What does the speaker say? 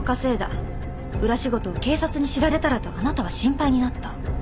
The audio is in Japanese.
裏仕事を警察に知られたらとあなたは心配になった。